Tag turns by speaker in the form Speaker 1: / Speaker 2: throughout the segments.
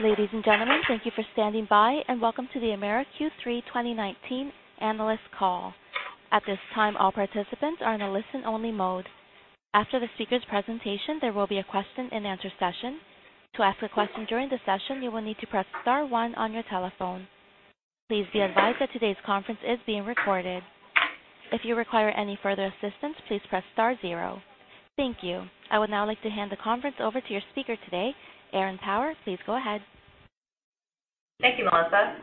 Speaker 1: Ladies and gentlemen, thank you for standing by, and welcome to the Emera Q3 2019 analyst call. At this time, all participants are in a listen-only mode. After the speaker's presentation, there will be a question and answer session. To ask a question during the session, you will need to press star one on your telephone. Please be advised that today's conference is being recorded. If you require any further assistance, please press star zero. Thank you. I would now like to hand the conference over to your speaker today, Erin Power. Please go ahead.
Speaker 2: Thank you, Melissa.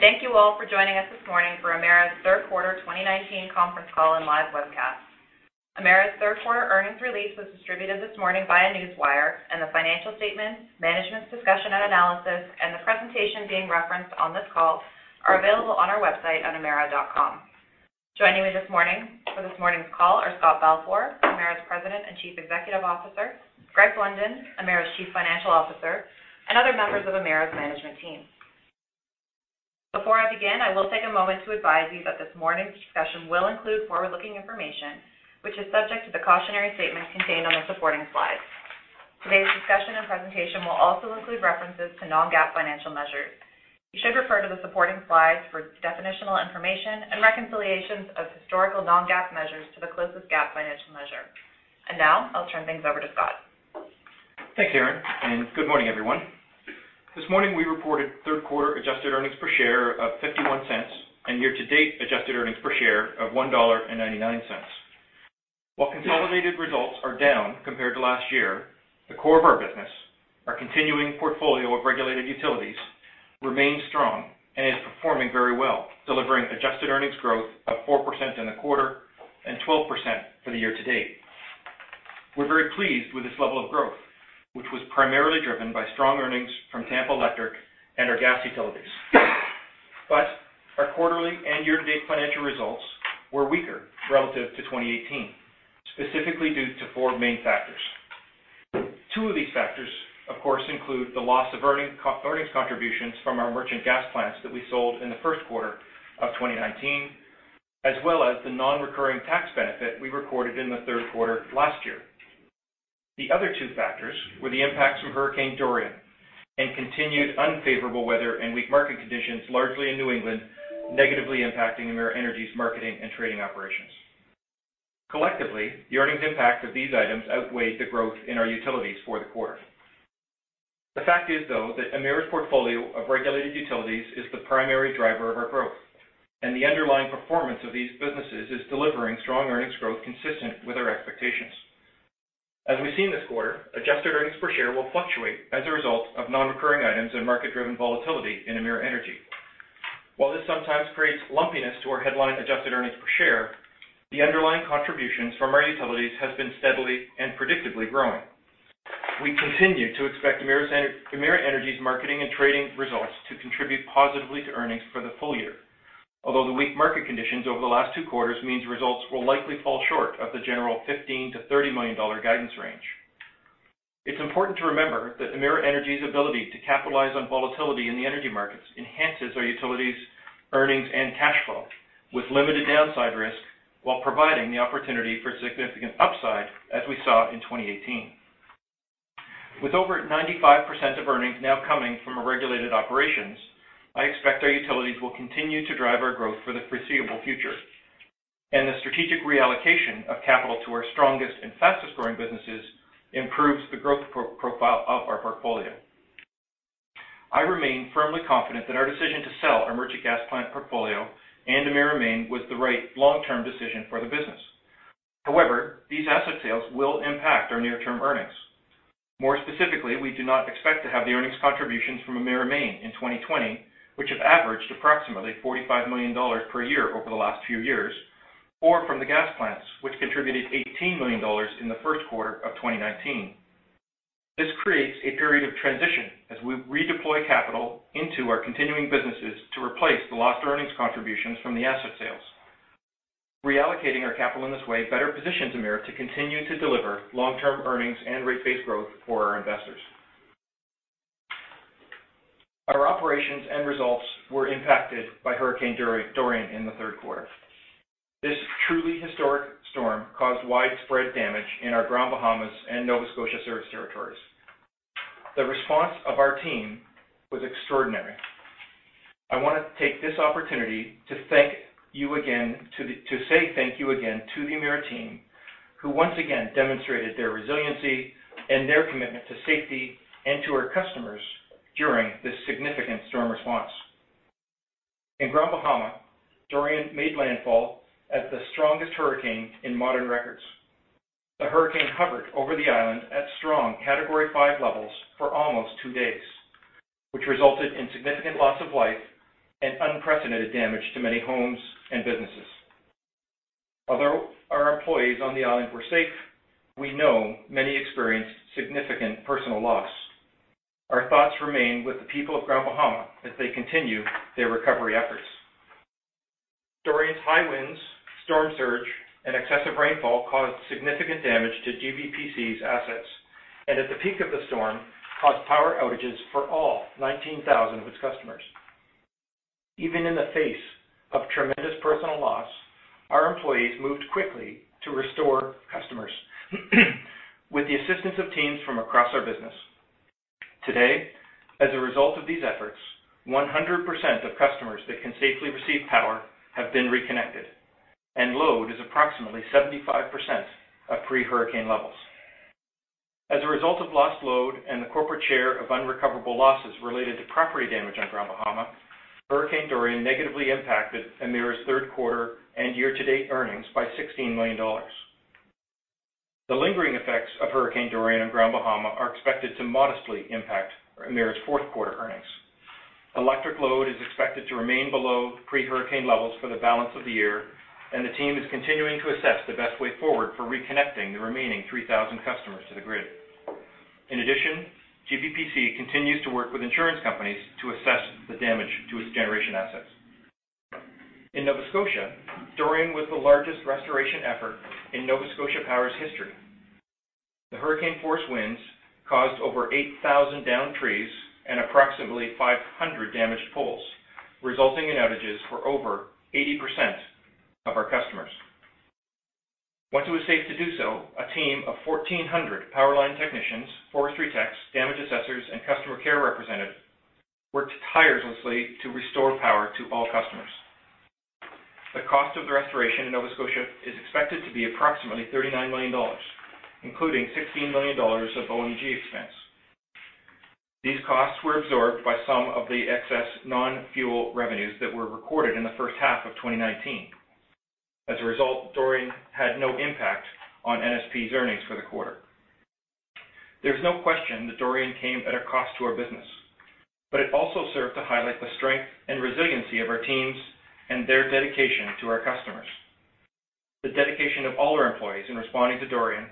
Speaker 2: Thank you all for joining us this morning for Emera's third quarter 2019 conference call and live webcast. Emera's third quarter earnings release was distributed this morning via Newswire, and the financial statements, management's discussion and analysis, and the presentation being referenced on this call are available on our website at emera.com. Joining me this morning for this morning's call are Scott Balfour, Emera's President and Chief Executive Officer, Greg Blunden, Emera's Chief Financial Officer, and other members of Emera's management team. Before I begin, I will take a moment to advise you that this morning's discussion will include forward-looking information, which is subject to the cautionary statements contained on the supporting slides. Today's discussion and presentation will also include references to non-GAAP financial measures. You should refer to the supporting slides for definitional information and reconciliations of historical non-GAAP measures to the closest GAAP financial measure. Now I'll turn things over to Scott.
Speaker 3: Thanks, Erin. Good morning, everyone. This morning, we reported third-quarter adjusted earnings per share of 0.51 and year-to-date adjusted earnings per share of 1.99 dollar. While consolidated results are down compared to last year, the core of our business, our continuing portfolio of regulated utilities, remains strong and is performing very well, delivering adjusted earnings growth of 4% in the quarter and 12% for the year-to-date. We're very pleased with this level of growth, which was primarily driven by strong earnings from Tampa Electric and our gas utilities. Our quarterly and year-to-date financial results were weaker relative to 2018, specifically due to four main factors. Two of these factors, of course, include the loss of earnings contributions from our merchant gas plants that we sold in the first quarter of 2019, as well as the non-recurring tax benefit we recorded in the third quarter last year. The other two factors were the impacts from Hurricane Dorian and continued unfavorable weather and weak market conditions, largely in New England, negatively impacting Emera Energy's marketing and trading operations. Collectively, the earnings impact of these items outweighed the growth in our utilities for the quarter. The fact is, though, that Emera's portfolio of regulated utilities is the primary driver of our growth, and the underlying performance of these businesses is delivering strong earnings growth consistent with our expectations. As we've seen this quarter, adjusted earnings per share will fluctuate as a result of non-recurring items and market-driven volatility in Emera Energy. While this sometimes creates lumpiness to our headline adjusted earnings per share, the underlying contributions from our utilities has been steadily and predictably growing. We continue to expect Emera Energy's marketing and trading results to contribute positively to earnings for the full year, although the weak market conditions over the last two quarters means results will likely fall short of the general 15 million-30 million dollars guidance range. It's important to remember that Emera Energy's ability to capitalize on volatility in the energy markets enhances our utilities' earnings and cash flow with limited downside risk, while providing the opportunity for significant upside, as we saw in 2018. With over 95% of earnings now coming from our regulated operations, I expect our utilities will continue to drive our growth for the foreseeable future. The strategic reallocation of capital to our strongest and fastest-growing businesses improves the growth profile of our portfolio. I remain firmly confident that our decision to sell our merchant gas plant portfolio and Emera Maine was the right long-term decision for the business. However, these asset sales will impact our near-term earnings. More specifically, we do not expect to have the earnings contributions from Emera Maine in 2020, which have averaged approximately 45 million dollars per year over the last few years, or from the gas plants, which contributed 18 million dollars in the first quarter of 2019. This creates a period of transition as we redeploy capital into our continuing businesses to replace the lost earnings contributions from the asset sales. Reallocating our capital in this way better positions Emera to continue to deliver long-term earnings and rate base growth for our investors. Our operations and results were impacted by Hurricane Dorian in the third quarter. This truly historic storm caused widespread damage in our Grand Bahama and Nova Scotia service territories. The response of our team was extraordinary. I want to take this opportunity to say thank you again to the Emera team, who once again demonstrated their resiliency and their commitment to safety and to our customers during this significant storm response. In Grand Bahama, Dorian made landfall as the strongest hurricane in modern records. The hurricane hovered over the island at strong Category 5 levels for almost two days, which resulted in significant loss of life and unprecedented damage to many homes and businesses. Although our employees on the island were safe, we know many experienced significant personal loss. Our thoughts remain with the people of Grand Bahama as they continue their recovery efforts. Dorian's high winds, storm surge, and excessive rainfall caused significant damage to GBPC's assets, and at the peak of the storm, caused power outages for all 19,000 of its customers. Even in the face of tremendous personal loss, our employees moved quickly to restore customers with the assistance of teams from across our business. Today, as a result of these efforts, 100% of customers that can safely receive power have been reconnected, and load is approximately 75% of pre-hurricane levels. As a result of lost load and the corporate share of unrecoverable losses related to property damage on Grand Bahama, Hurricane Dorian negatively impacted Emera's third quarter and year-to-date earnings by 16 million dollars. The lingering effects of Hurricane Dorian on Grand Bahama are expected to modestly impact Emera's fourth-quarter earnings. Electric load is expected to remain below pre-hurricane levels for the balance of the year, and the team is continuing to assess the best way forward for reconnecting the remaining 3,000 customers to the grid. In addition, GBPC continues to work with insurance companies to assess the damage to its generation assets. In Nova Scotia, Dorian was the largest restoration effort in Nova Scotia Power's history. The hurricane-force winds caused over 8,000 downed trees and approximately 500 damaged poles, resulting in outages for over 80% of our customers. Once it was safe to do so, a team of 1,400 power line technicians, forestry techs, damage assessors, and customer care representatives worked tirelessly to restore power to all customers. The cost of the restoration in Nova Scotia is expected to be approximately 39 million dollars, including 16 million dollars of O&M expense. These costs were absorbed by some of the excess non-fuel revenues that were recorded in the first half of 2019. As a result, Dorian had no impact on NSP's earnings for the quarter. There's no question that Dorian came at a cost to our business, but it also served to highlight the strength and resiliency of our teams and their dedication to our customers. The dedication of all our employees in responding to Dorian,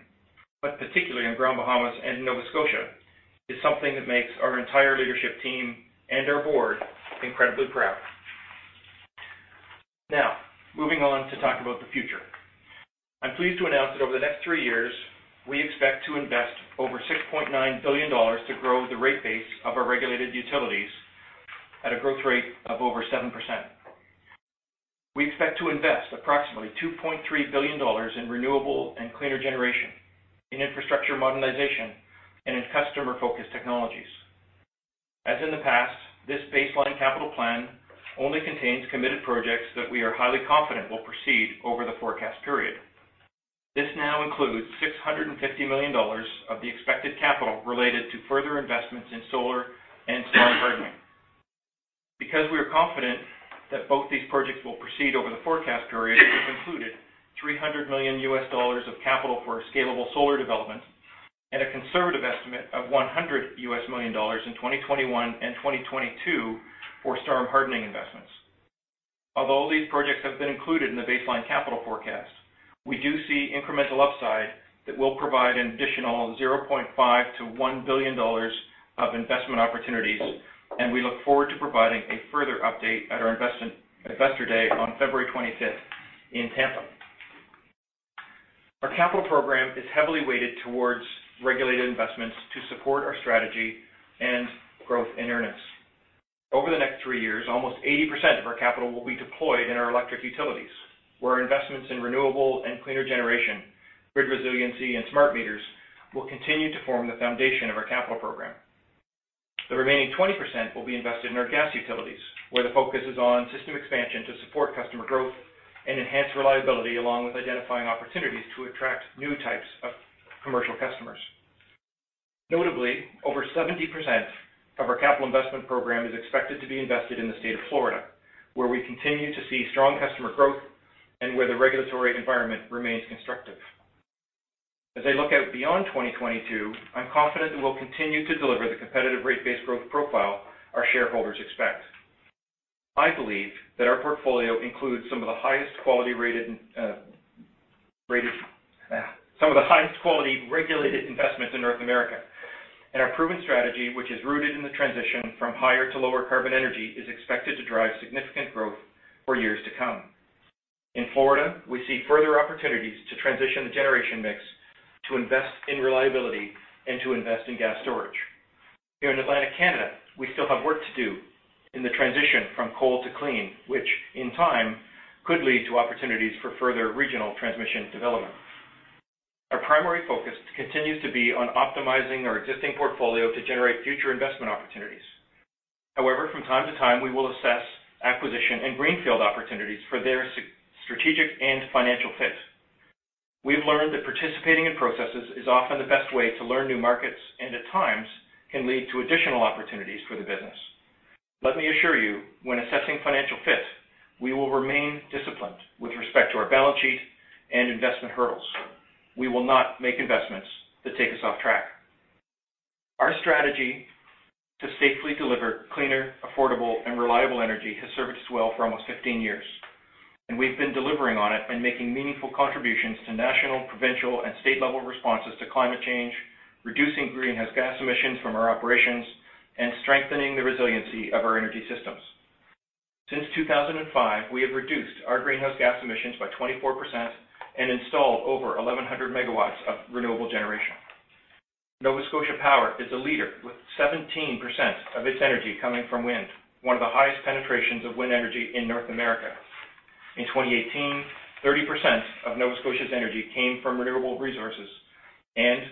Speaker 3: but particularly in Grand Bahama and Nova Scotia, is something that makes our entire leadership team and our board incredibly proud. Moving on to talk about the future. I'm pleased to announce that over the next three years, we expect to invest over 6.9 billion dollars to grow the rate base of our regulated utilities at a growth rate of over 7%. We expect to invest approximately 2.3 billion dollars in renewable and cleaner generation, in infrastructure modernization, and in customer-focused technologies. As in the past, this baseline capital plan only contains committed projects that we are highly confident will proceed over the forecast period. This now includes 650 million dollars of the expected capital related to further investments in solar and storm hardening. Because we are confident that both these projects will proceed over the forecast period, we've included $300 million of capital for scalable solar developments and a conservative estimate of $100 million in 2021 and 2022 for storm hardening investments. Although these projects have been included in the baseline capital forecast, we do see incremental upside that will provide an additional 0.5 billion-1 billion dollars of investment opportunities, and we look forward to providing a further update at our investor day on February 25th in Tampa. Our capital program is heavily weighted towards regulated investments to support our strategy and growth in earnings. Over the next three years, almost 80% of our capital will be deployed in our electric utilities, where investments in renewable and cleaner generation, grid resiliency, and smart meters will continue to form the foundation of our capital program. The remaining 20% will be invested in our gas utilities, where the focus is on system expansion to support customer growth and enhance reliability, along with identifying opportunities to attract new types of commercial customers. Notably, over 70% of our capital investment program is expected to be invested in the state of Florida, where we continue to see strong customer growth and where the regulatory environment remains constructive. As I look out beyond 2022, I'm confident that we'll continue to deliver the competitive rate base growth profile our shareholders expect. I believe that our portfolio includes some of the highest-quality regulated investments in North America, and our proven strategy, which is rooted in the transition from higher to lower carbon energy, is expected to drive significant growth for years to come. In Florida, we see further opportunities to transition the generation mix to invest in reliability and to invest in gas storage. Here in Atlantic Canada, we still have work to do in the transition from coal to clean, which in time could lead to opportunities for further regional transmission development. Our primary focus continues to be on optimizing our existing portfolio to generate future investment opportunities. However, from time to time, we will assess acquisition and greenfield opportunities for their strategic and financial fit. We've learned that participating in processes is often the best way to learn new markets and at times can lead to additional opportunities for the business. Let me assure you, when assessing financial fit, we will remain disciplined with respect to our balance sheet and investment hurdles. We will not make investments that take us off track. Our strategy to safely deliver cleaner, affordable, and reliable energy has served us well for almost 15 years, and we've been delivering on it and making meaningful contributions to national, provincial, and state-level responses to climate change, reducing greenhouse gas emissions from our operations, and strengthening the resiliency of our energy systems. Since 2005, we have reduced our greenhouse gas emissions by 24% and installed over 1,100 megawatts of renewable generation. Nova Scotia Power is a leader with 17% of its energy coming from wind, one of the highest penetrations of wind energy in North America. In 2018, 30% of Nova Scotia's energy came from renewable resources, and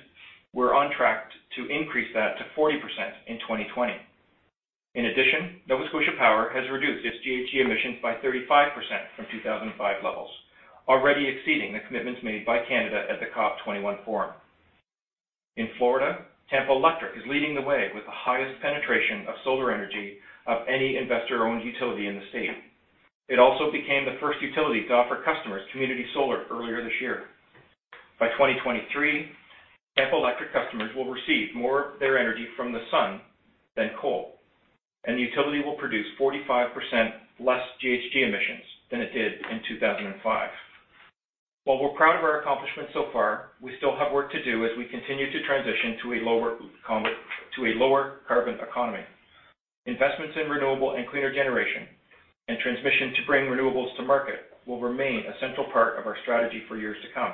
Speaker 3: we're on track to increase that to 40% in 2020. In addition, Nova Scotia Power has reduced its GHG emissions by 35% from 2005 levels, already exceeding the commitments made by Canada at the COP21 forum. In Florida, Tampa Electric is leading the way with the highest penetration of solar energy of any investor-owned utility in the state. It also became the first utility to offer customers community solar earlier this year. By 2023, Tampa Electric customers will receive more of their energy from the sun than coal, and the utility will produce 45% less GHG emissions than it did in 2005. While we're proud of our accomplishments so far, we still have work to do as we continue to transition to a lower carbon economy. Investments in renewable and cleaner generation and transmission to bring renewables to market will remain a central part of our strategy for years to come,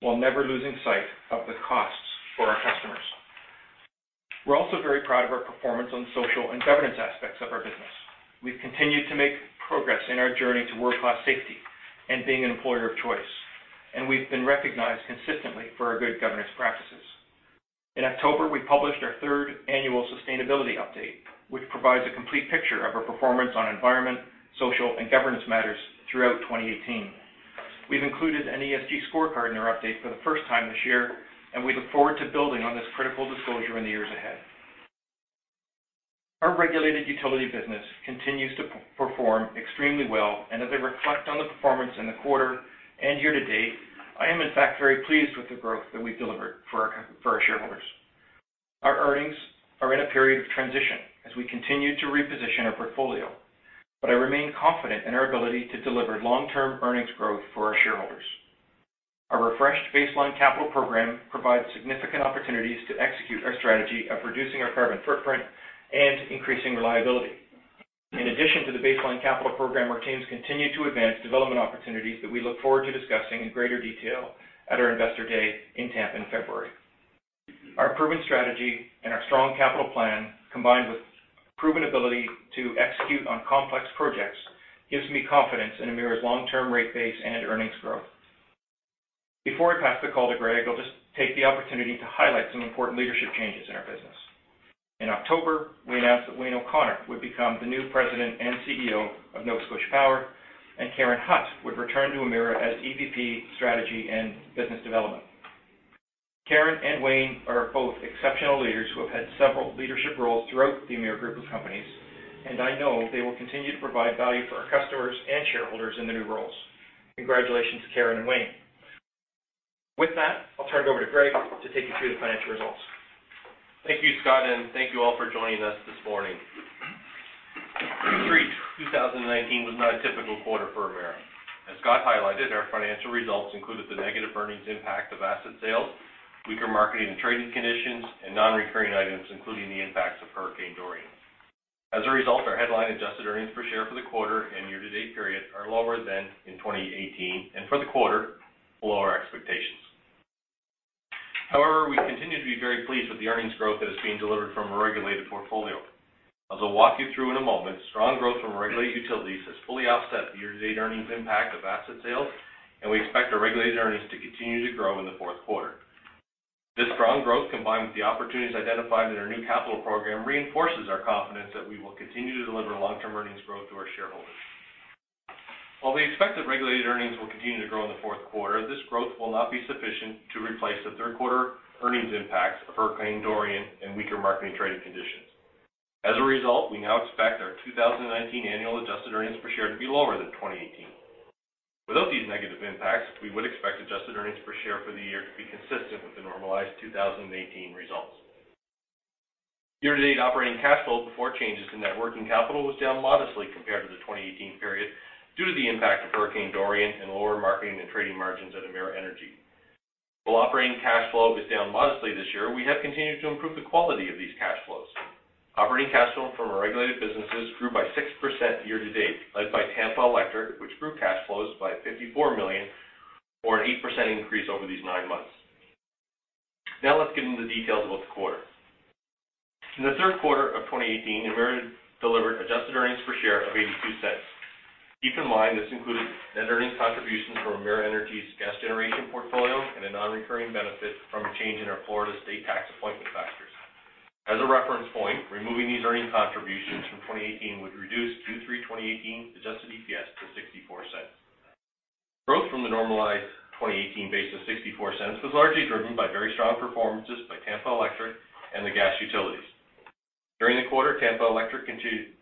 Speaker 3: while never losing sight of the costs for our customers. We're also very proud of our performance on social and governance aspects of our business. We've continued to make progress in our journey to world-class safety and being an employer of choice, and we've been recognized consistently for our good governance practices. In October, we published our third annual sustainability update, which provides a complete picture of our performance on environment, social, and governance matters throughout 2018. We've included an ESG scorecard in our update for the first time this year, and we look forward to building on this critical disclosure in the years ahead. Our regulated utility business continues to perform extremely well, and as I reflect on the performance in the quarter and year to date, I am in fact very pleased with the growth that we've delivered for our shareholders. Our earnings are in a period of transition as we continue to reposition our portfolio, but I remain confident in our ability to deliver long-term earnings growth for our shareholders. Our refreshed baseline capital program provides significant opportunities to execute our strategy of reducing our carbon footprint and increasing reliability. In addition to the baseline capital program, our teams continue to advance development opportunities that we look forward to discussing in greater detail at our Investor Day in Tampa in February. Our proven strategy and our strong capital plan, combined with proven ability to execute on complex projects, gives me confidence in Emera's long-term rate base and earnings growth. Before I pass the call to Greg, I'll just take the opportunity to highlight some important leadership changes in our business. In October, we announced that Wayne O'Connor would become the new President and CEO of Nova Scotia Power, and Karen Hutt would return to Emera as EVP, Strategy and Business Development. Karen and Wayne are both exceptional leaders who have had several leadership roles throughout the Emera group of companies, and I know they will continue to provide value for our customers and shareholders in the new roles. Congratulations to Karen and Wayne. With that, I'll turn it over to Greg to take you through the financial results.
Speaker 4: Thank you, Scott, and thank you all for joining us this morning. Q3 2019 was not a typical quarter for Emera. As Scott highlighted, our financial results included the negative earnings impact of asset sales, weaker marketing and trading conditions, and non-recurring items, including the impacts of Hurricane Dorian. As a result, our headline adjusted earnings per share for the quarter and year-to-date period are lower than in 2018, and for the quarter, lower expectations. However, we continue to be very pleased with the earnings growth that is being delivered from our regulated portfolio. As I'll walk you through in a moment, strong growth from our regulated utilities has fully offset the year-to-date earnings impact of asset sales, and we expect our regulated earnings to continue to grow in the fourth quarter. This strong growth, combined with the opportunities identified in our new capital program, reinforces our confidence that we will continue to deliver long-term earnings growth to our shareholders. While we expect that regulated earnings will continue to grow in the fourth quarter, this growth will not be sufficient to replace the third quarter earnings impacts of Hurricane Dorian and weaker marketing trading conditions. As a result, we now expect our 2019 annual adjusted earnings per share to be lower than 2018. Without these negative impacts, we would expect adjusted earnings per share for the year to be consistent with the normalized 2018 results. Year-to-date operating cash flow before changes in net working capital was down modestly compared to the 2018 period due to the impact of Hurricane Dorian and lower marketing and trading margins at Emera Energy. While operating cash flow was down modestly this year, we have continued to improve the quality of these cash flows. Operating cash flow from our regulated businesses grew by 6% year to date, led by Tampa Electric, which grew cash flows by 54 million or an 8% increase over these nine months. Let's get into the details about the quarter. In the third quarter of 2018, Emera delivered adjusted earnings per share of 0.82. Keep in mind, this included net earnings contribution from Emera Energy's gas generation portfolio and a non-recurring benefit from a change in our Florida state tax appointment factors. As a reference point, removing these earning contributions from 2018 would reduce Q3 2018 adjusted EPS to 0.64. Growth from the normalized 2018 base of 0.64 was largely driven by very strong performances by Tampa Electric and the gas utilities. During the quarter, Tampa Electric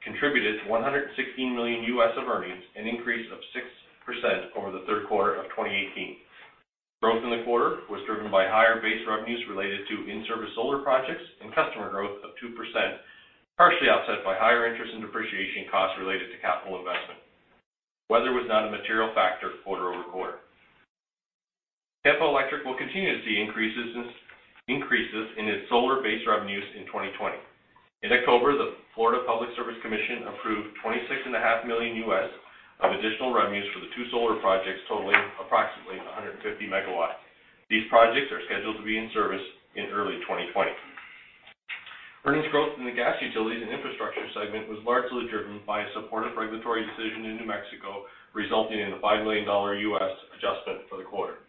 Speaker 4: contributed $116 million of earnings, an increase of 6% over the third quarter of 2018. Growth in the quarter was driven by higher base revenues related to in-service solar projects and customer growth of 2%, partially offset by higher interest and depreciation costs related to capital investment. Weather was not a material factor quarter-over-quarter. Tampa Electric will continue to see increases in its solar base revenues in 2020. In October, the Florida Public Service Commission approved $26.5 million of additional revenues for the two solar projects totaling approximately 150 MW. These projects are scheduled to be in-service in early 2020. Earnings growth in the gas utilities and infrastructure segment was largely driven by a supportive regulatory decision in New Mexico, resulting in a $5 million adjustment for the quarter.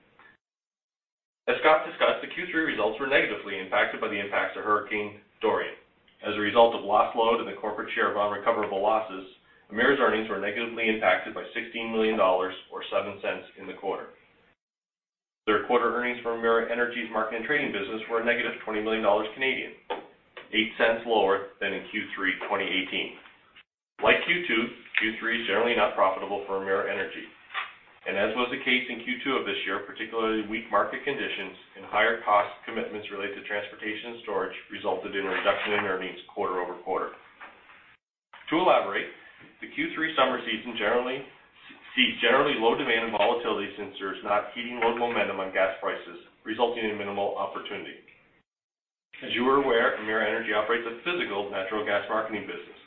Speaker 4: As Scott discussed, the Q3 results were negatively impacted by the impacts of Hurricane Dorian. As a result of lost load and the corporate share of unrecoverable losses, Emera's earnings were negatively impacted by 16 million dollars, or 0.07 in the quarter. Third quarter earnings from Emera Energy's marketing and trading business were a negative 20 million Canadian dollars, 0.08 lower than in Q3, 2018. Like Q2, Q3 is generally not profitable for Emera Energy. As was the case in Q2 of this year, particularly weak market conditions and higher cost commitments related to transportation and storage resulted in a reduction in earnings quarter-over-quarter. To elaborate, the Q3 summer season sees generally low demand and volatility since there is not heating local momentum on gas prices, resulting in minimal opportunity. As you are aware, Emera Energy operates a physical natural gas marketing business.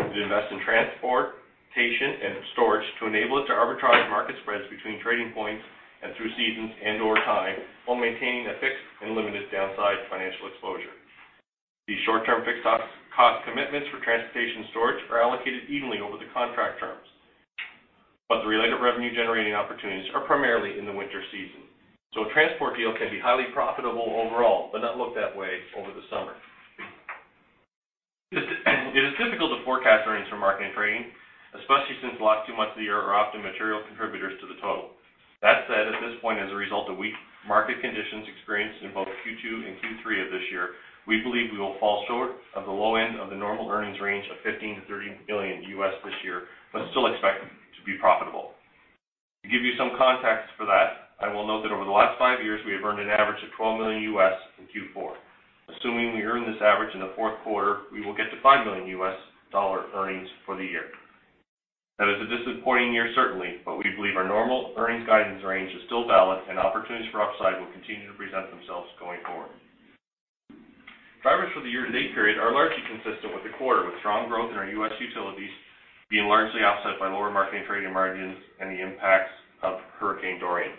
Speaker 4: We invest in transportation and storage to enable it to arbitrage market spreads between trading points and through seasons and/or time, while maintaining a fixed and limited downside financial exposure. These short-term fixed cost commitments for transportation storage are allocated evenly over the contract terms. The related revenue generating opportunities are primarily in the winter season. A transport deal can be highly profitable overall, but not look that way over the summer. It is difficult to forecast earnings for marketing and trading, especially since the last two months of the year are often material contributors to the total. That said, at this point as a result of weak market conditions experienced in both Q2 and Q3 of this year, we believe we will fall short of the low end of the normal earnings range of $15 million-$30 million USD this year, but still expect to be profitable. To give you some context for that, I will note that over the last five years, we have earned an average of $12 million in Q4. Assuming we earn this average in the fourth quarter, we will get to $5 million earnings for the year. That is a disappointing year, certainly, but we believe our normal earnings guidance range is still valid and opportunities for upside will continue to present themselves going forward. Drivers for the year-to-date period are largely consistent with the quarter, with strong growth in our U.S. utilities being largely offset by lower marketing trading margins and the impacts of Hurricane Dorian.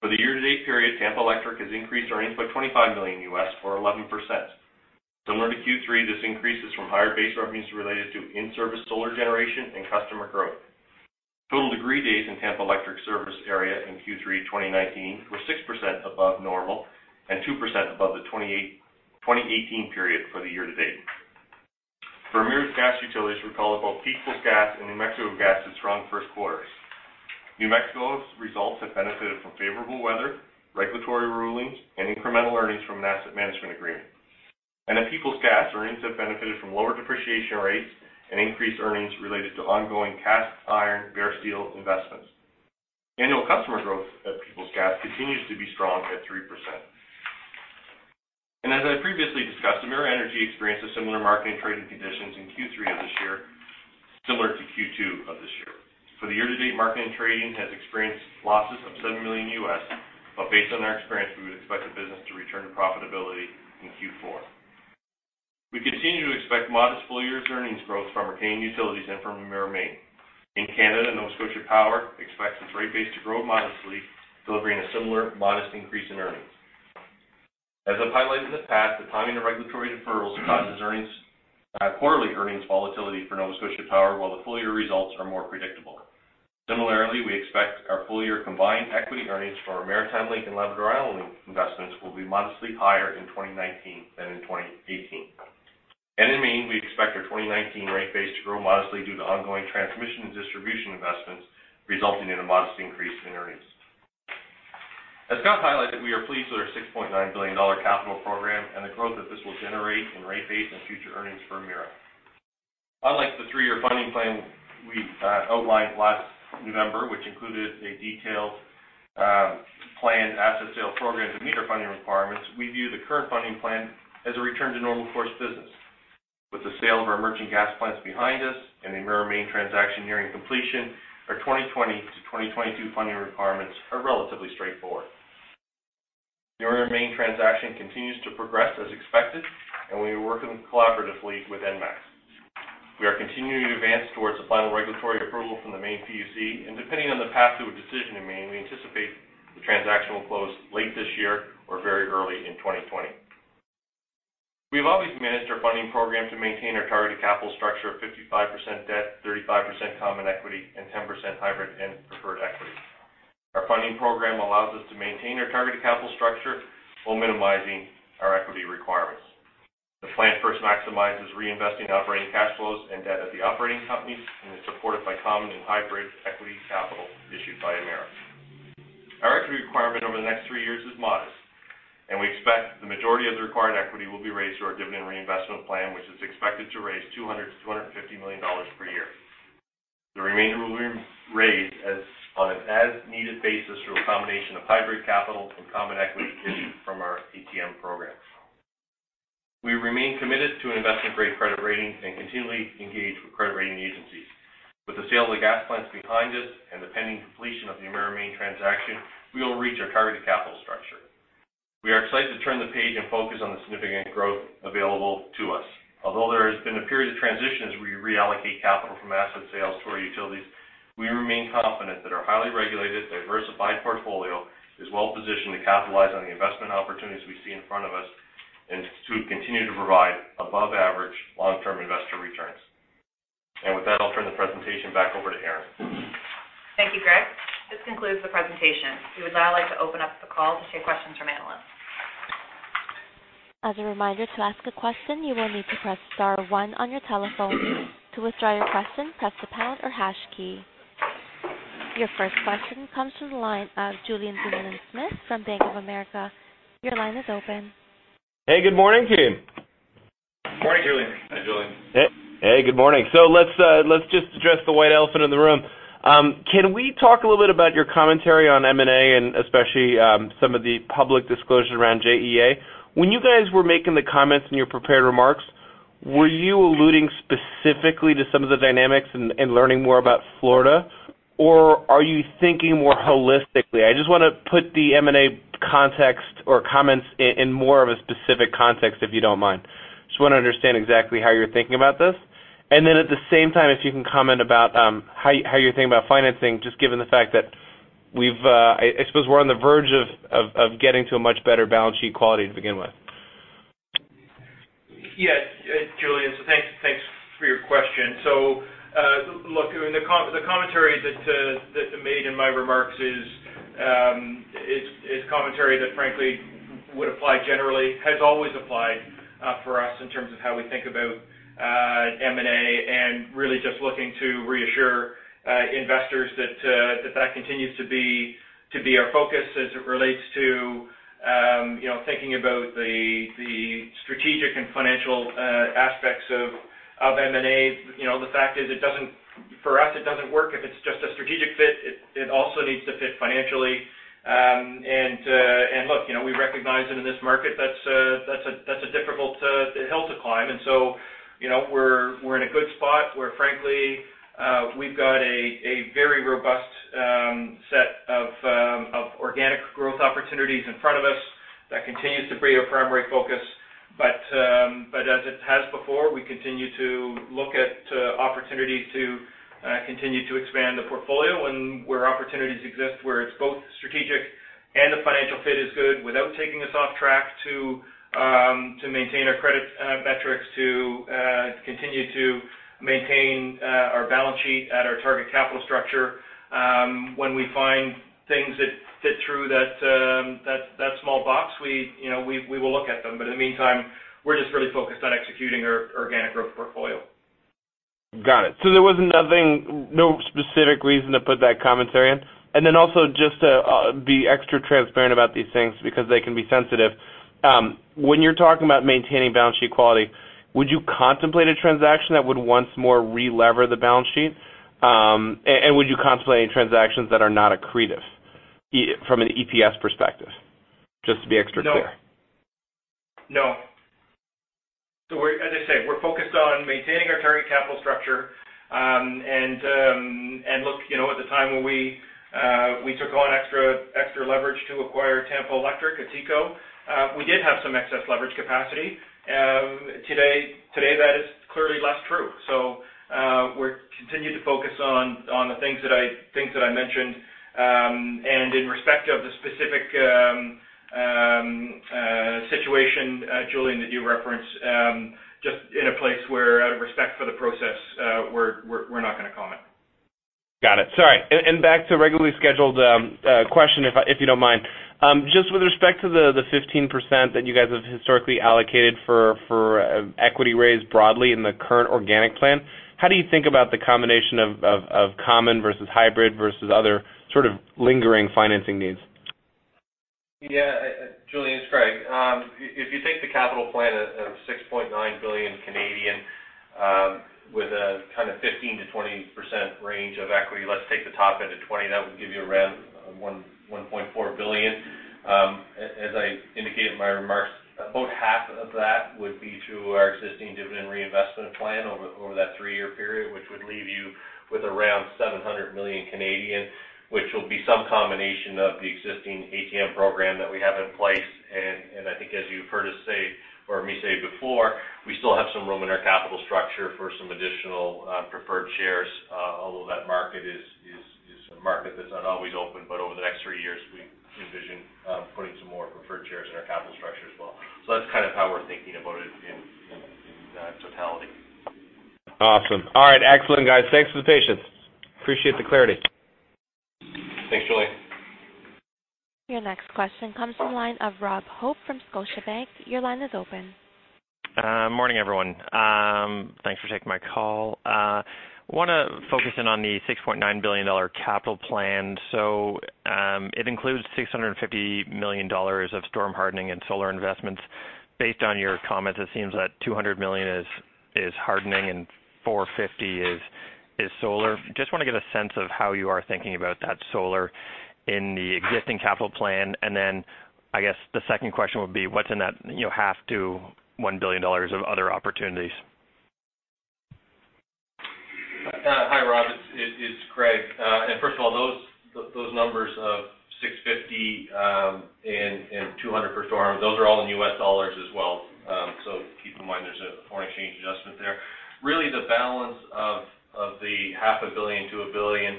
Speaker 4: For the year-to-date period, Tampa Electric has increased earnings by $25 million or 11%. Similar to Q3, this increase is from higher base revenues related to in-service solar generation and customer growth. Total degree days in Tampa Electric service area in Q3 2019 were 6% above normal and 2% above the 2018 period for the year-to-date. For Emera's gas utilities, we call it both Peoples Gas and New Mexico Gas's strong first quarters. New Mexico's results have benefited from favorable weather, regulatory rulings, and incremental earnings from an asset management agreement. At Peoples Gas, earnings have benefited from lower depreciation rates and increased earnings related to ongoing cast iron bare steel investments. Annual customer growth at Peoples Gas continues to be strong at 3%. As I previously discussed, Emera Energy experienced a similar marketing and trading conditions in Q3 of this year, similar to Q2 of this year. For the year-to-date, marketing and trading has experienced losses of $7 million, but based on our experience, we would expect the business to return to profitability in Q4. We continue to expect modest full year's earnings growth from retaining utilities and from Emera Maine. In Canada, Nova Scotia Power expects its rate base to grow modestly, delivering a similar modest increase in earnings. As I've highlighted in the past, the timing of regulatory deferrals causes quarterly earnings volatility for Nova Scotia Power, while the full-year results are more predictable. Similarly, we expect our full-year combined equity earnings for our Maritime Link and Labrador Island Link investments will be modestly higher in 2019 than in 2018. In Maine, we expect our 2019 rate base to grow modestly due to ongoing transmission and distribution investments, resulting in a modest increase in earnings. As Scott highlighted, we are pleased with our 6.9 billion dollar capital program and the growth that this will generate in rate base and future earnings for Emera. Unlike the three-year funding plan we outlined last November, which included a detailed plan, asset sales program, and meter funding requirements, we view the current funding plan as a return to normal course business. With the sale of our merchant gas plants behind us and the Emera Maine transaction nearing completion, our 2020 to 2022 funding requirements are relatively straightforward. The Emera Maine transaction continues to progress as expected, and we are working collaboratively with ENMAX. We are continuing to advance towards the final regulatory approval from the Maine PUC, and depending on the path to a decision in Maine, we anticipate the transaction will close late this year or very early in 2020. We have always managed our funding program to maintain our targeted capital structure of 55% debt, 35% common equity, and 10% hybrid and preferred equity. Our funding program allows us to maintain our targeted capital structure while minimizing our equity requirements. The plan first maximizes reinvesting operating cash flows and debt at the operating companies, and is supported by common and hybrid equity capital issued by Emera. Our equity requirement over the next three years is modest, and we expect the majority of the required equity will be raised through our Dividend Reinvestment Plan, which is expected to raise 200 million-250 million dollars per year. The remainder will be raised on an as-needed basis through a combination of hybrid capital and common equity issued from our ATM programs. We remain committed to an investment-grade credit rating and continually engage with credit rating agencies.
Speaker 3: With the sale of the gas plants behind us and the pending completion of the Emera Maine transaction, we will reach our target capital structure. We are excited to turn the page and focus on the significant growth available to us. Although there has been a period of transition as we reallocate capital from asset sales to our utilities, we remain confident that our highly regulated, diversified portfolio is well-positioned to capitalize on the investment opportunities we see in front of us and to continue to provide above-average long-term investor returns. With that, I'll turn the presentation back over to Erin.
Speaker 2: Thank you, Greg. This concludes the presentation. We would now like to open up the call to take questions from analysts.
Speaker 1: As a reminder, to ask a question, you will need to press star one on your telephone. To withdraw your question, press the pound or hash key. Your first question comes from the line of Julien Dumoulin-Smith from Bank of America. Your line is open.
Speaker 5: Hey, good morning, team.
Speaker 4: Morning, Julien. Hi, Julien.
Speaker 5: Hey. Good morning. Let's just address the white elephant in the room. Can we talk a little bit about your commentary on M&A and especially some of the public disclosure around JEA? When you guys were making the comments in your prepared remarks, were you alluding specifically to some of the dynamics and learning more about Florida, or are you thinking more holistically? I just want to put the M&A context or comments in more of a specific context, if you don't mind. I just want to understand exactly how you're thinking about this. At the same time, if you can comment about how you're thinking about financing, just given the fact that I suppose we're on the verge of getting to a much better balance sheet quality to begin with.
Speaker 3: Yes. Julien, thanks for your question. Look, the commentary that's made in my remarks is commentary that frankly would apply generally, has always applied for us in terms of how we think about M&A and really just looking to reassure investors that that continues to be our focus as it relates to thinking about the strategic and financial aspects of M&A. The fact is, for us, it doesn't work if it's just a strategic fit. It also needs to fit financially. Look, we recognize that in this market, that's a difficult hill to climb. We're in a good spot where frankly, we've got a very robust set of organic growth opportunities in front of us that continues to be our primary focus. As it has before, we continue to look at opportunities to continue to expand the portfolio and where opportunities exist, where it's both strategic and the financial fit is good without taking us off track to maintain our credit metrics, to continue to maintain our balance sheet at our target capital structure. When we find things that fit through that small box, we will look at them. In the meantime, we're just really focused on executing our organic growth portfolio.
Speaker 5: Got it. There was no specific reason to put that commentary in? Also just to be extra transparent about these things because they can be sensitive. When you're talking about maintaining balance sheet quality, would you contemplate a transaction that would once more relever the balance sheet? Would you contemplate any transactions that are not accretive from an EPS perspective? Just to be extra clear.
Speaker 3: No. As I say, we're focused on maintaining our target capital structure. Look, at the time when we took on extra leverage to acquire Tampa Electric, TECO, we did have some excess leverage capacity. Today, that is clearly less true. We're continuing to focus on the things that I mentioned. In respect of the specific situation, Julien, that you reference, just in a place where out of respect for the process, we're not going to comment.
Speaker 5: Got it. Sorry. Back to regularly scheduled question, if you don't mind. Just with respect to the 15% that you guys have historically allocated for equity raise broadly in the current organic plan, how do you think about the combination of common versus hybrid versus other sort of lingering financing needs?
Speaker 4: Yeah. Julien, it's Greg. If you take the capital plan of 6.9 billion with a kind of 15%-20% range of equity, let's take the top end of 20%, that would give you around 1.4 billion. As I indicated in my remarks, about half of that would be through our existing dividend reinvestment plan over that three-year period, which would leave you with around 700 million, which will be some combination of the existing ATM program that we have in place. I think as you've heard me say before, we still have some room in our capital structure for some additional preferred shares. Although that market is a market that's not always open, but over the next three years, we envision putting some more preferred shares in our capital structure as well. That's kind of how we're thinking about it in totality.
Speaker 5: Awesome. All right. Excellent, guys. Thanks for the patience. Appreciate the clarity.
Speaker 3: Thanks, Julien.
Speaker 1: Your next question comes from the line of Rob Hope from Scotiabank. Your line is open.
Speaker 6: Morning, everyone. Thanks for taking my call. Want to focus in on the 6.9 billion dollar capital plan. It includes 650 million dollars of storm hardening and solar investments. Based on your comments, it seems that 200 million is hardening and 450 is solar. Just want to get a sense of how you are thinking about that solar in the existing capital plan. I guess the second question would be what's in that half to 1 billion dollars of other opportunities?
Speaker 4: Hi, Rob. It's Greg. First of all, those numbers of $650 and $200 for storm, those are all in US dollars as well. Keep in mind there's a foreign exchange adjustment there. Really the balance of the half a billion to $1 billion,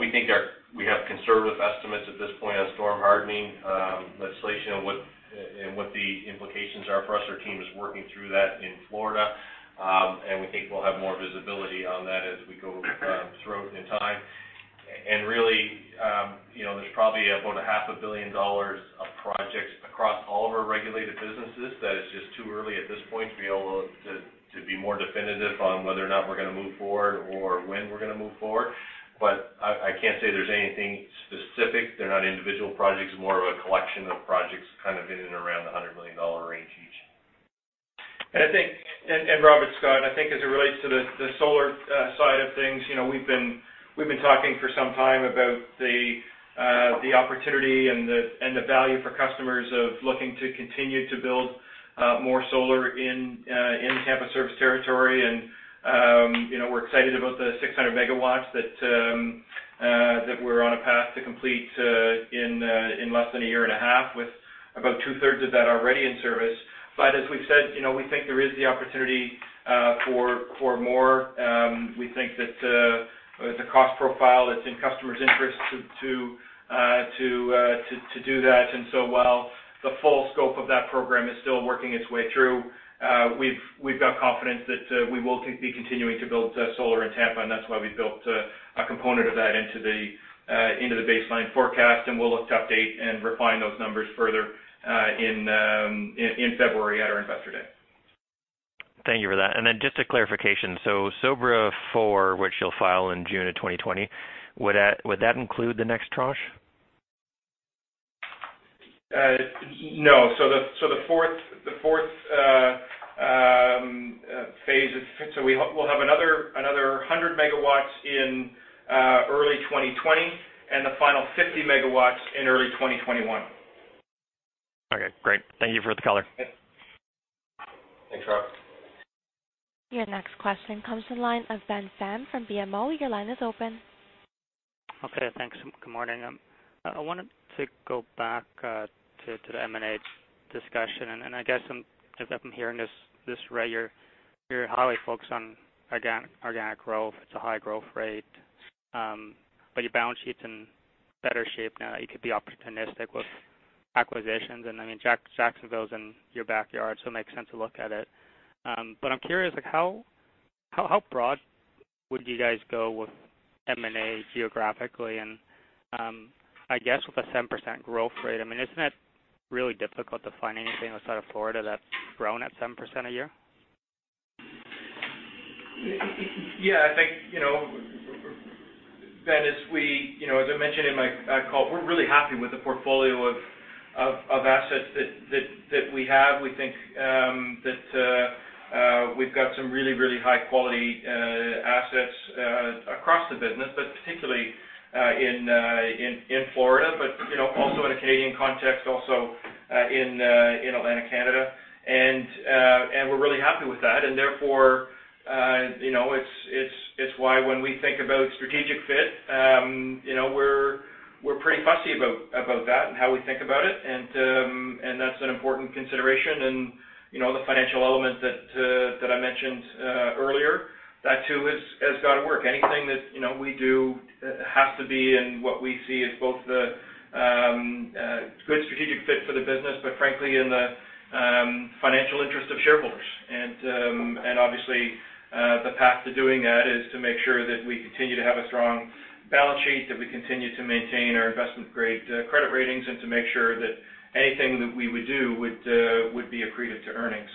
Speaker 4: we think we have conservative estimates at this point on storm hardening legislation and what the implications are for us. Our team is working through that in Florida. We think we'll have more visibility on that as we go throughout in time. Really, there's probably about a half a billion dollars of projects across all of our regulated businesses that it's just too early at this point to be able to be more definitive on whether or not we're going to move forward or when we're going to move forward. I can't say there's anything specific. They're not individual projects, more of a collection of projects kind of in and around the 100 million dollar range each.
Speaker 3: Robert, Scott, I think as it relates to the solar side of things, we've been talking for some time about the opportunity and the value for customers of looking to continue to build more solar in Tampa service territory. We're excited about the 600 MW that we're on a path to complete in less than a year and a half with about two-thirds of that already in service. As we've said, we think there is the opportunity for more. We think that the cost profile that's in customers' interest to do that. While the full scope of that program is still working its way through, we've got confidence that we will be continuing to build solar in Tampa, and that's why we built a component of that into the baseline forecast, and we'll look to update and refine those numbers further in February at our Investor Day.
Speaker 6: Thank you for that. Just a clarification. SoBRA four, which you'll file in June of 2020, would that include the next tranche?
Speaker 3: No. The fourth phase, we'll have another 100 MW in early 2020 and the final 50 MW in early 2021.
Speaker 6: Okay, great. Thank you for the color.
Speaker 4: Thanks, Rob.
Speaker 1: Your next question comes to the line of Ben Pham from BMO. Your line is open.
Speaker 7: Okay, thanks. Good morning. I wanted to go back to the M&A discussion. I guess from hearing this, Ray, you're highly focused on organic growth. It's a high growth rate. Your balance sheet's in better shape now that you could be opportunistic with acquisitions. Jacksonville is in your backyard. It makes sense to look at it. I'm curious, how broad would you guys go with M&A geographically? I guess with a 10% growth rate, isn't it really difficult to find anything outside of Florida that's grown at 7% a year?
Speaker 3: I think, Ben, as I mentioned in my call, we're really happy with the portfolio of assets that we have. We think that we've got some really high-quality assets across the business, but particularly in Florida. Also in a Canadian context, also in Atlantic Canada. We're really happy with that. It's why when we think about strategic fit, we're pretty fussy about that and how we think about it. That's an important consideration. The financial element that I mentioned earlier, that too has got to work. Anything that we do has to be in what we see as both the good strategic fit for the business, but frankly, in the financial interest of shareholders. Obviously, the path to doing that is to make sure that we continue to have a strong balance sheet, that we continue to maintain our investment-grade credit ratings, and to make sure that anything that we would do would be accretive to earnings.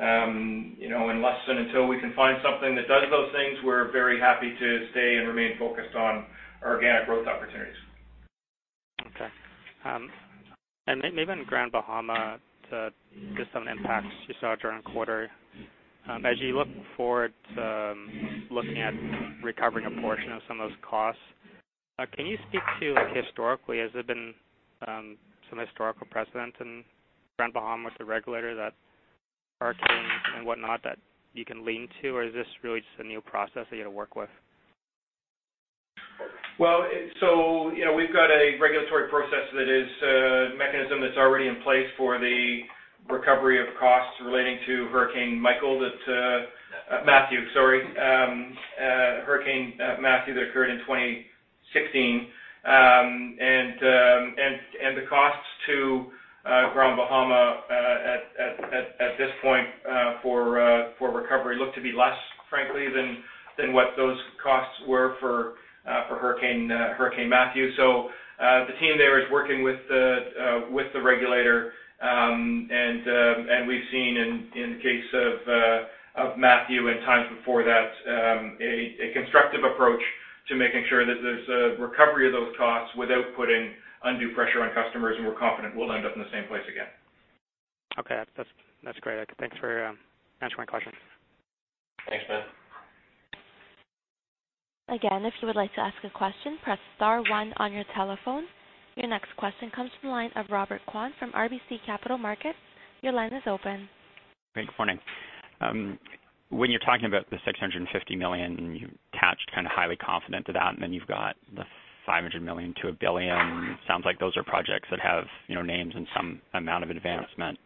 Speaker 3: Unless and until we can find something that does those things, we're very happy to stay and remain focused on organic growth opportunities.
Speaker 7: Okay. Maybe on Grand Bahama, just some impacts you saw during the quarter. As you look forward to looking at recovering a portion of some of those costs, can you speak to, historically, has there been some historical precedent in Grand Bahama with the regulator that hurricanes and whatnot that you can lean to? Or is this really just a new process that you got to work with?
Speaker 3: Well, we've got a regulatory process that is a mechanism that's already in place for the recovery of costs relating to Hurricane Matthew, that occurred in 2016. The costs to Grand Bahama at this point for recovery look to be less, frankly, than what those costs were for Hurricane Matthew. The team there is working with the regulator. We've seen in the case of Matthew and times before that, a constructive approach to making sure that there's a recovery of those costs without putting undue pressure on customers. We're confident we'll end up in the same place again.
Speaker 7: Okay. That's great. Thanks for answering my question.
Speaker 3: Thanks, Ben.
Speaker 1: Again, if you would like to ask a question, press star one on your telephone. Your next question comes from the line of Robert Kwan from RBC Capital Markets. Your line is open.
Speaker 8: Great, good morning. When you're talking about the 650 million, and you attached highly confident to that, and then you've got the 500 million to 1 billion. It sounds like those are projects that have names and some amount of advancement.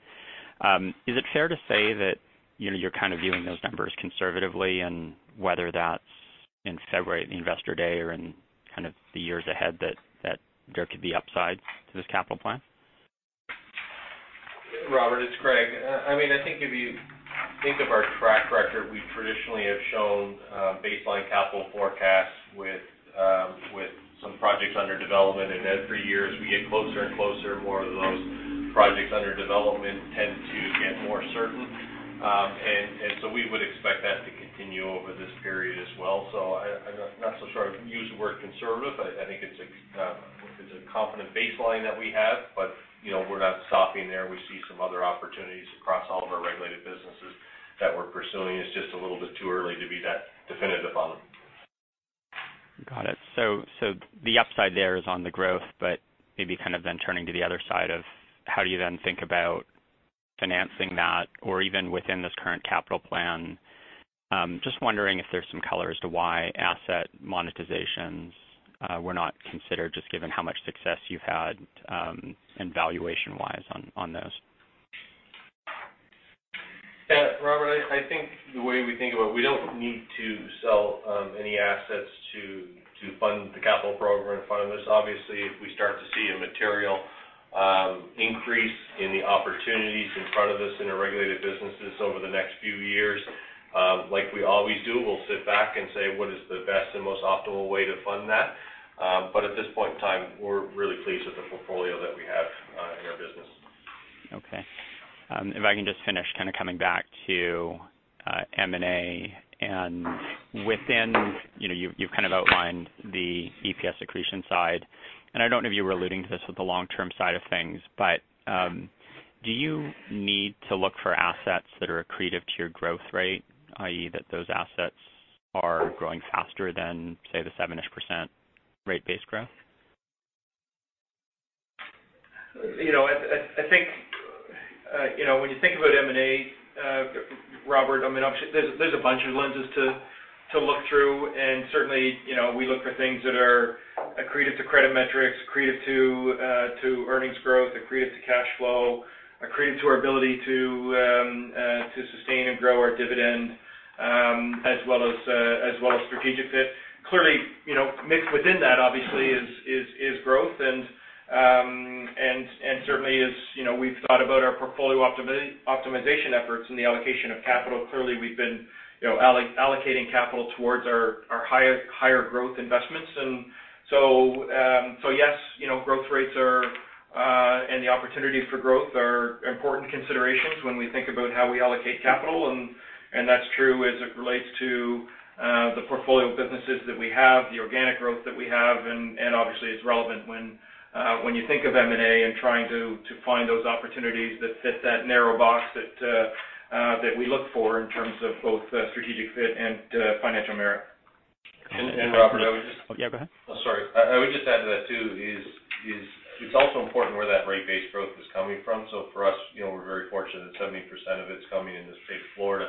Speaker 8: Is it fair to say that you're viewing those numbers conservatively, and whether that's in February at the investor day or in the years ahead, that there could be upsides to this capital plan?
Speaker 4: Robert, it's Greg. I think if you think of our track record, we traditionally have shown baseline capital forecasts with some projects under development. Then for years we get closer and closer, more of those projects under development tend to get more certain. So we would expect that to continue over this period as well. So I'm not so sure I'd use the word conservative, I think it's a confident baseline that we have. We're not stopping there. We see some other opportunities across all of our regulated businesses that we're pursuing. It's just a little bit too early to be that definitive on them.
Speaker 8: Got it. The upside there is on the growth, but maybe then turning to the other side of how do you then think about financing that or even within this current capital plan, just wondering if there's some color as to why asset monetizations were not considered, just given how much success you've had, and valuation-wise on those.
Speaker 3: Yeah, Robert, I think the way we think about it, we don't need to sell any assets to fund the capital program in front of us. Obviously, if we start to see a material increase in the opportunities in front of us in our regulated businesses over the next few years, like we always do, we'll sit back and say, what is the best and most optimal way to fund that? At this point in time, we're really pleased with the portfolio that we have in our business.
Speaker 8: Okay. If I can just finish coming back to M&A and within, you've outlined the EPS accretion side, and I don't know if you were alluding to this with the long-term side of things, but do you need to look for assets that are accretive to your growth rate, i.e., that those assets are growing faster than, say, the seven-ish % rate base growth?
Speaker 3: I think when you think about M&A, Robert, there's a bunch of lenses to look through and certainly, we look for things that are accretive to credit metrics, accretive to earnings growth, accretive to cash flow, accretive to our ability to sustain and grow our dividend, as well as strategic fit. Mixed within that obviously is growth and certainly as we've thought about our portfolio optimization efforts and the allocation of capital. We've been allocating capital towards our higher growth investments. Yes, growth rates are, and the opportunity for growth are important considerations when we think about how we allocate capital. That's true as it relates to the portfolio of businesses that we have, the organic growth that we have, and obviously it's relevant when you think of M&A and trying to find those opportunities that fit that narrow box that we look for in terms of both strategic fit and financial merit.
Speaker 8: Robert.
Speaker 4: Yeah, go ahead. Oh, sorry. I would just add to that, too, is it's also important where that rate base growth is coming from. For us, we're very fortunate that 70% of it's coming in the state of Florida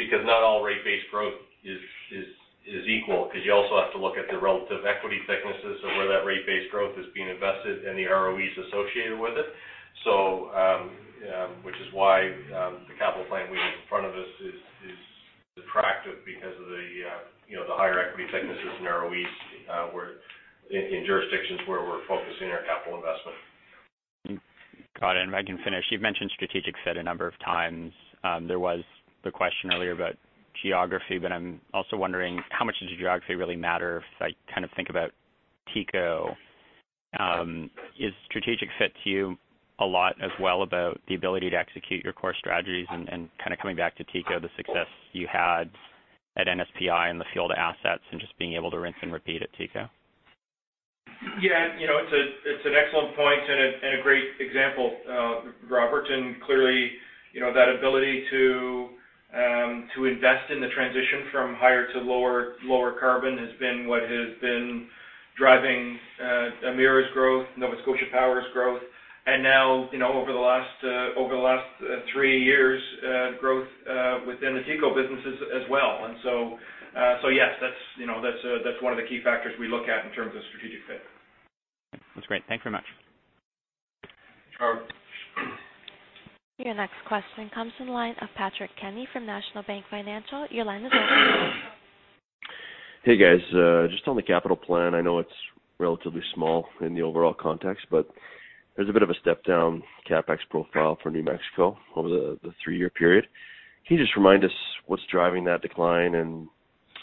Speaker 4: because not all rate base growth is equal because you also have to look at the relative equity thicknesses of where that rate base growth is being invested and the ROEs associated with it. Which is why the capital plan we have in front of us is attractive because of the higher equity thicknesses and ROEs in jurisdictions where we're focusing our capital investment. Got it. If I can finish, you've mentioned strategic fit a number of times. There was the question earlier about geography, but I'm also wondering how much does geography really matter if I think about TECO.
Speaker 8: Is strategic fit to you a lot as well about the ability to execute your core strategies and coming back to TECO, the success you had at NSPI in the field of assets and just being able to rinse and repeat at TECO?
Speaker 3: Yeah. It's an excellent point and a great example, Robert. Clearly, that ability to invest in the transition from higher to lower carbon has been what has been driving Emera's growth, Nova Scotia Power's growth. Now, over the last three years, growth within the TECO businesses as well. Yes, that's one of the key factors we look at in terms of strategic fit.
Speaker 8: That's great. Thank you very much.
Speaker 3: Sure.
Speaker 1: Your next question comes from the line of Patrick Kenny from National Bank Financial. Your line is open.
Speaker 9: Hey, guys. Just on the capital plan, I know it's relatively small in the overall context, but there's a bit of a step-down CapEx profile for New Mexico over the three-year period. Can you just remind us what's driving that decline?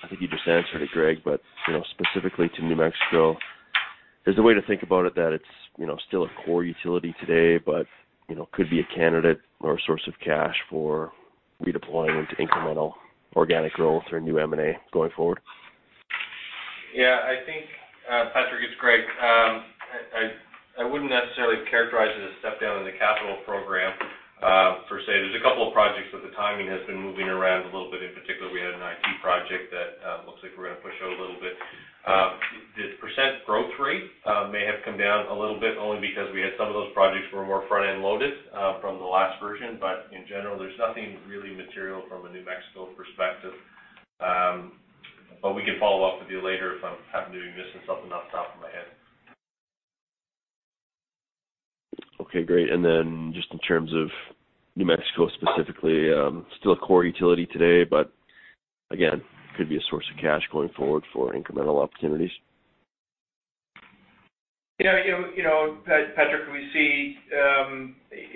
Speaker 9: I think you just answered it, Greg, but specifically to New Mexico, is the way to think about it that it's still a core utility today, but could be a candidate or a source of cash for redeployment into incremental organic growth or new M&A going forward?
Speaker 4: Yeah, I think, Patrick, it's Greg. I wouldn't necessarily characterize it as step down in the capital program per se. There's a couple of projects that the timing has been moving around a little bit. In particular, we had an IT project that looks like we're going to push out a little bit. The % growth rate may have come down a little bit, only because we had some of those projects were more front-end loaded from the last version. In general, there's nothing really material from a New Mexico perspective. We can follow up with you later if I happen to be missing something off the top of my head.
Speaker 9: Okay, great. Just in terms of New Mexico specifically, still a core utility today, but again, could be a source of cash going forward for incremental opportunities.
Speaker 4: Yeah, Patrick,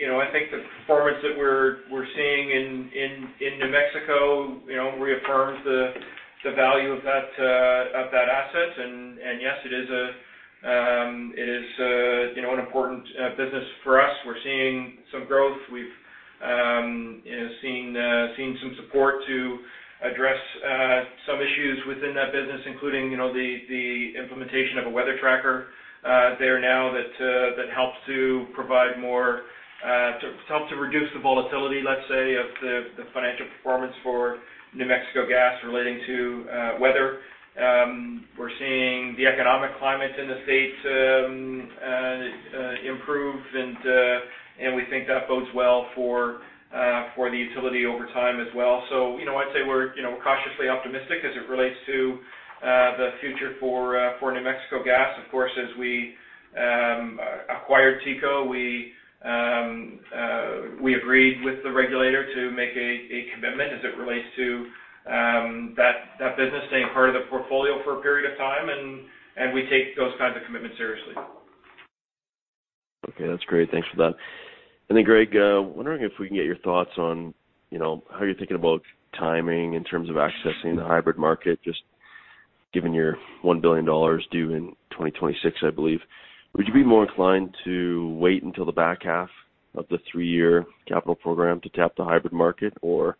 Speaker 4: I think the performance that we're seeing in New Mexico reaffirms the value of that asset. Yes, it is an important business for us. We're seeing some growth. We've seen some support to address some issues within that business, including the implementation of a weather tracker there now that helps to reduce the volatility, let's say, of the financial performance for New Mexico Gas relating to weather. We're seeing the economic climate in the state improve, we think that bodes well for the utility over time as well. I'd say we're cautiously optimistic as it relates to the future for New Mexico Gas. Of course, as we acquired TECO, we agreed with the regulator to make a commitment as it relates to that business staying part of the portfolio for a period of time, we take those kinds of commitments seriously.
Speaker 9: Okay. That's great. Thanks for that. Greg, wondering if we can get your thoughts on how you're thinking about timing in terms of accessing the hybrid market, just given your 1 billion dollars due in 2026, I believe. Would you be more inclined to wait until the back half of the three-year capital program to tap the hybrid market? Or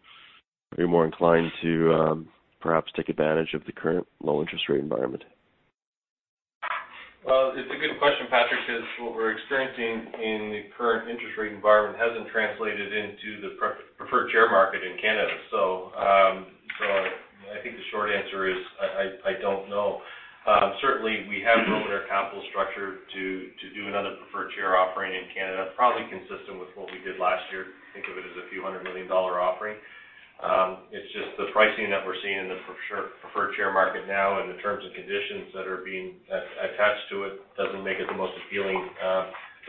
Speaker 9: are you more inclined to perhaps take advantage of the current low interest rate environment?
Speaker 4: It's a good question, Patrick, because what we're experiencing in the current interest rate environment hasn't translated into the preferred share market in Canada. I think the short answer is, I don't know. Certainly, we have room in our capital structure to do another preferred share offering in Canada, probably consistent with what we did last year. Think of it as a few hundred million CAD offering. It's just the pricing that we're seeing in the preferred share market now and the terms and conditions that are being attached to it doesn't make it the most appealing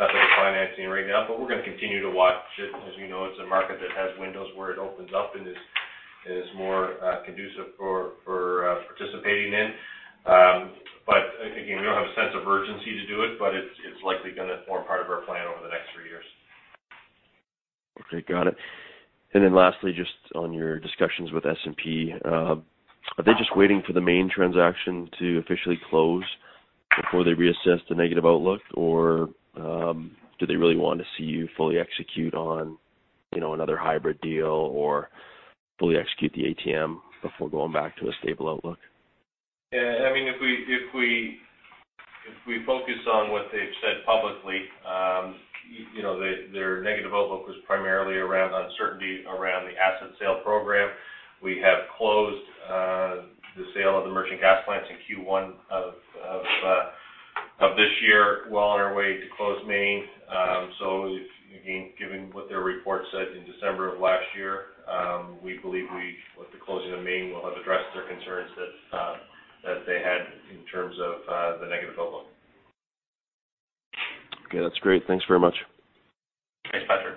Speaker 4: method of financing right now. We're going to continue to watch it. As you know, it's a market that has windows where it opens up and is more conducive for participating in. Again, we don't have a sense of urgency to do it, but it's likely going to form part of our plan over the next three years.
Speaker 9: Okay. Got it. Lastly, just on your discussions with S&P, are they just waiting for the Maine transaction to officially close before they reassess the negative outlook? Do they really want to see you fully execute on another hybrid deal or fully execute the ATM before going back to a stable outlook?
Speaker 3: Yeah. If we focus on what they've said publicly, their negative outlook was primarily around uncertainty around the asset sale program. We have closed the sale of the merchant gas plants in Q1 of this year, well on our way to close Maine. Again, given what their report said in December of last year, we believe with the closing of Maine, we'll have addressed their concerns that they had in terms of the negative outlook.
Speaker 9: Okay. That's great. Thanks very much.
Speaker 3: Thanks, Patrick.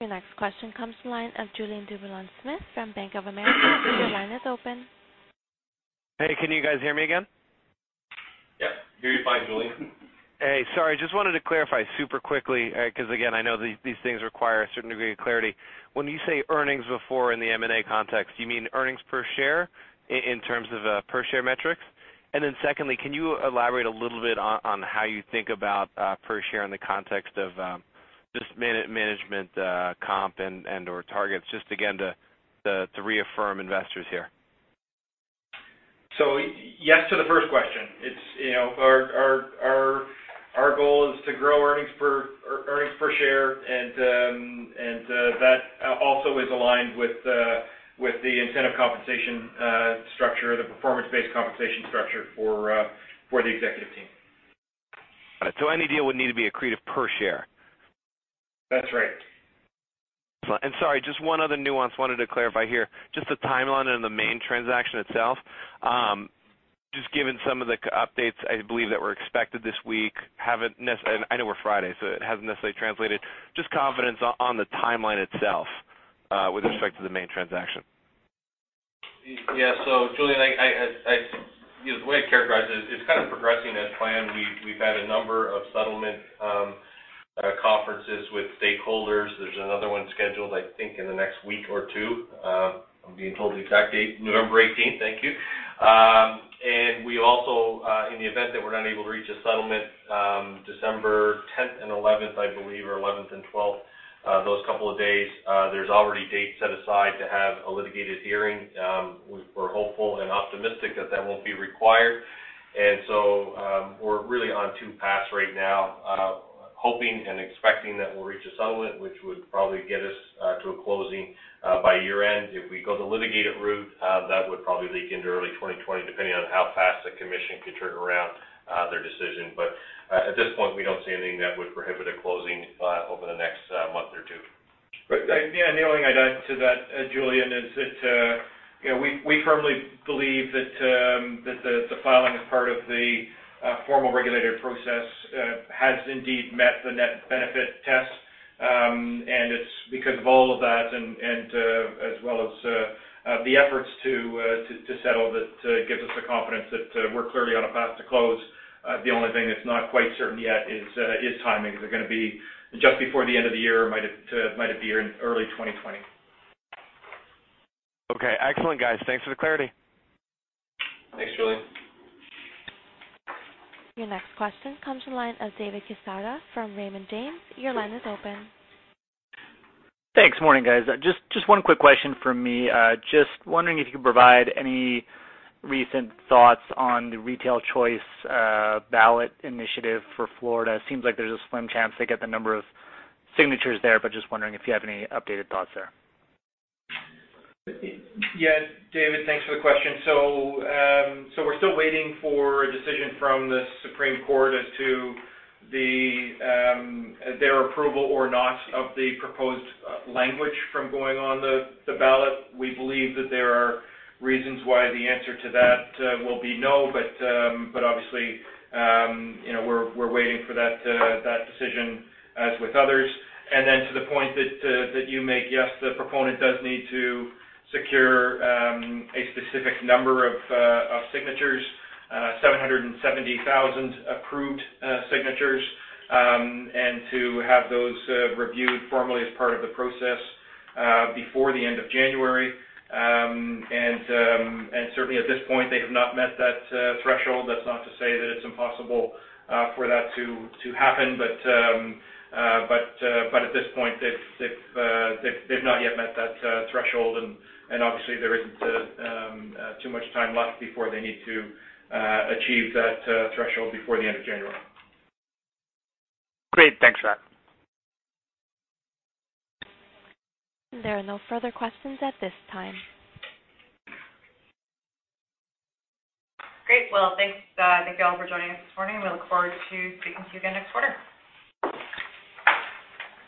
Speaker 1: Your next question comes from the line of Julien Dumoulin-Smith from Bank of America. Your line is open.
Speaker 5: Hey, can you guys hear me again?
Speaker 3: Yep. Hear you fine, Julien.
Speaker 5: Hey, sorry, just wanted to clarify super quickly, because again, I know these things require a certain degree of clarity. When you say earnings before in the M&A context, do you mean earnings per share in terms of, per share metrics? Secondly, can you elaborate a little bit on how you think about per share in the context of just management comp and/or targets, just again, to reaffirm investors here.
Speaker 3: Yes, to the first question. Our goal is to grow earnings per share. That also is aligned with the incentive compensation structure, the performance-based compensation structure for the executive team.
Speaker 5: Any deal would need to be accretive per share?
Speaker 3: That's right.
Speaker 5: Sorry, just one other nuance I wanted to clarify here. Just the timeline on the Maine transaction itself. Just given some of the updates I believe that were expected this week, I know we're Friday, it hasn't necessarily translated. Just confidence on the timeline itself, with respect to the Maine transaction.
Speaker 3: Yeah. Julien, the way I'd characterize it's kind of progressing as planned. We've had a number of settlement conferences with stakeholders. There's another one scheduled, I think in the next week or two. I'm being told the exact date, November 18th. Thank you.
Speaker 4: Also, in the event that we're not able to reach a settlement, December 10th and 11th, I believe, or 11th and 12th, those couple of days, there's already dates set aside to have a litigated hearing. We're hopeful and optimistic that that won't be required. So we're really on two paths right now. Hoping and expecting that we'll reach a settlement, which would probably get us to a closing by year-end. If we go the litigated route, that would probably leak into early 2020, depending on how fast the Commission could turn around their decision. But at this point, we don't see anything that would prohibit a closing over the next month or two.
Speaker 3: Right. Yeah, the only thing I'd add to that, Julien, is that we firmly believe that the filing as part of the formal regulatory process has indeed met the net benefit test. It's because of all of that, as well as the efforts to settle, that gives us the confidence that we're clearly on a path to close. The only thing that's not quite certain yet is timing. Is it going to be just before the end of the year, or might it be in early 2020?
Speaker 5: Okay. Excellent, guys. Thanks for the clarity.
Speaker 4: Thanks, Julien.
Speaker 1: Your next question comes from the line of David Quezada from Raymond James. Your line is open.
Speaker 10: Thanks. Morning, guys. Just one quick question from me. Just wondering if you could provide any recent thoughts on the retail choice ballot initiative for Florida. Seems like there's a slim chance they get the number of signatures there, but just wondering if you have any updated thoughts there.
Speaker 3: Yes, David, thanks for the question. We're still waiting for a decision from the Supreme Court as to their approval or not of the proposed language from going on the ballot. We believe that there are reasons why the answer to that will be no, but obviously, we're waiting for that decision as with others. Then to the point that you make, yes, the proponent does need to secure a specific number of signatures, 770,000 approved signatures, and to have those reviewed formally as part of the process before the end of January. Certainly at this point, they have not met that threshold. That's not to say that it's impossible for that to happen, but at this point, they've not yet met that threshold, obviously there isn't too much time left before they need to achieve that threshold before the end of January.
Speaker 10: Great. Thanks for that.
Speaker 1: There are no further questions at this time.
Speaker 4: Great. Well, thanks. Thank you all for joining us this morning, and we look forward to speaking to you again next quarter.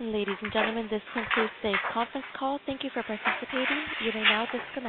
Speaker 1: Ladies and gentlemen, this concludes the conference call. Thank you for participating. You may now disconnect.